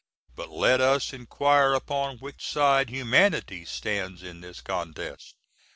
But let us inquire upon which side "humanity" stands in this contest.